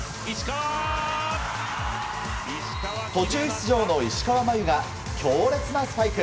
途中出場の石川真佑が強烈なスパイク！